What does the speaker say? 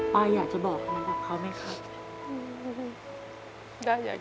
อยากจะบอกอะไรกับเขาไหมครับ